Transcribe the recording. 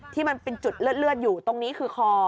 ที่มันเป็นจุดเลือดอยู่ตรงนี้คือคอ